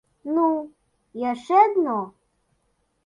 Ну, і яшчэ адно.